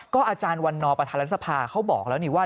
อาจารย์วันนอประธานรัฐสภาเขาบอกแล้วนี่ว่า